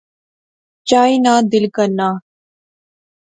چائی نا دل کرنا